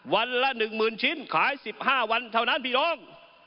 วันละหนึ่งหมื่นชิ้นขายสิบห้าวันเท่านั้นพี่น้อง